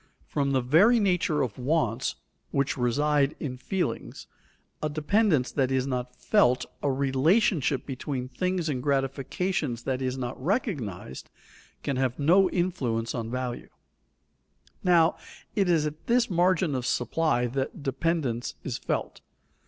From the very nature of wants, which reside in feelings, a dependence that is not felt, a relation between things and gratification that is not recognized, can have no influence on value. Now, it is at this margin of supply that dependence is felt.